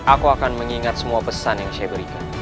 aku akan mengingat semua pesan yang saya berikan